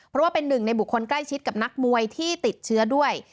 เพราะว่าเป็นหนึ่งในบุคคลใกล้ชิดกับนักมวยที่ติดเชื้อด้วย